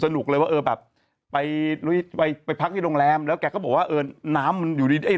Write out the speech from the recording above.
เลยว่าเออแบบไปไปพักที่โรงแรมแล้วแกก็บอกว่าเออน้ำมันอยู่ดีไอ้